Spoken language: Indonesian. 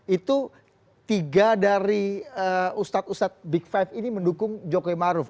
itu tiga dari ustadz ustadz big five ini mendukung jokowi maruf